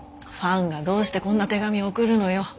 ファンがどうしてこんな手紙送るのよ？